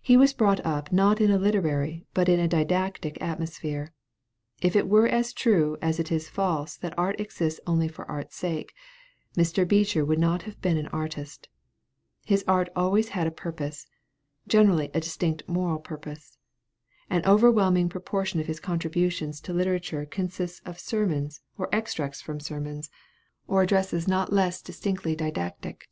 He was brought up not in a literary, but in a didactic atmosphere. If it were as true as it is false that art exists only for art's sake, Mr. Beecher would not have been an artist. His art always had a purpose; generally a distinct moral purpose. An overwhelming proportion of his contributions to literature consists of sermons or extracts from sermons, or addresses not less distinctively didactic.